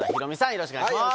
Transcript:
よろしくお願いします。